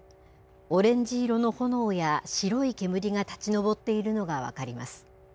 オレンジ色の炎や白い煙が立ち上っているのが分かります。